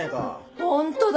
ホントだ！